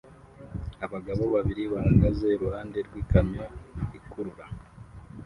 Abagabo babiri bahagaze iruhande rwikamyo ikurura